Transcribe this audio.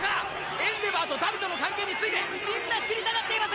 エンデヴァーと荼毘との関係について皆知りたがっています！